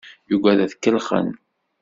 Yugad ad t-kellxen.